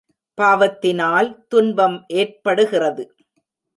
பாவத்தினால் துன்பம் ஏற்படுகிறது.